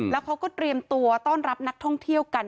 แล้วเขาก็เตรียมตัวต้อนรับนักท่องเที่ยวกัน